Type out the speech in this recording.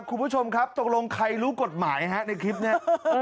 คุณผู้ชมครับตกลงใครรู้กฎหมายฮะในคลิปนี้